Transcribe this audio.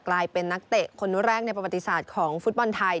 กลายเป็นนักเตะคนแรกในประวัติศาสตร์ของฟุตบอลไทย